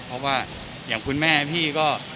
เพราะว่าอย่างคุณแม่พี่ก็